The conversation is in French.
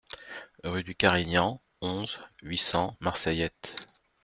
Rue du Carignan, onze, huit cents Marseillette